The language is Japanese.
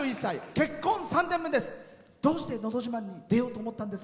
結婚３年目です。